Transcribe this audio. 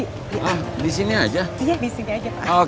iya disini aja pak